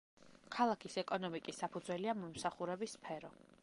ქალაქის ეკონომიკის საფუძველია მომსახურების სფერო.